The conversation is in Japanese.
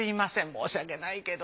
申し訳ないけど。